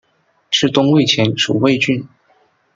至东魏前属魏郡。